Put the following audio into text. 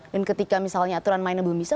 dan ketika misalnya aturan mainnya belum bisa